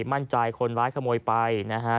มั่นใจคนร้ายขโมยไปนะฮะ